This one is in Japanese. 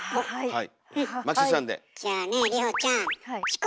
はい。